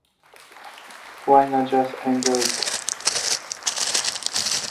Why not just enjoy it?